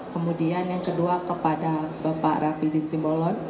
kemudian yang kedua kepada bapak raffi din simbolon